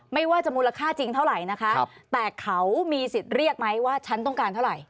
ไม่ว่าจะมูลค่าจริงเท่าไหร่นะคะแต่เขามีสิทธิ์เรียกไหมว่าฉันต้องการเท่าไหร่